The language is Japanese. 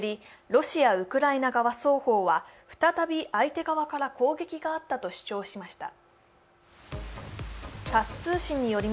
ロシア・ウクライナ側双方は再び相手側から攻撃があったと主張しました。